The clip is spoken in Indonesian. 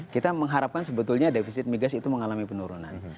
kita mengharapkan sebetulnya defisit migas itu mengalami penurunan